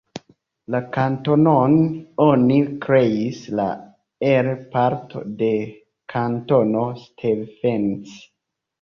La kantonon oni kreis la el parto de Kantono Stevens.